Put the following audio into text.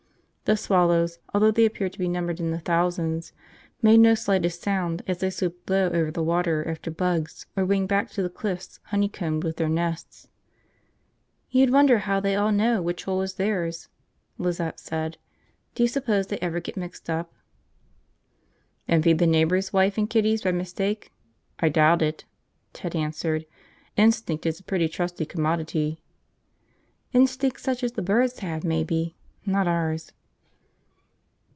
The swallows, although they appeared to be numbered in the thousands, made no slightest sound as they swooped low over the water after bugs or winged back to the cliffs honeycombed with their nests. "You'd wonder how they all know which hole is theirs," Lizette said. "Do you suppose they ever get mixed up?" "And feed the neighbors' wife and kiddies by mistake? I doubt it," Ted answered. "Instinct is a pretty trusty commodity." "Instinct such as the birds have, maybe. Not ours."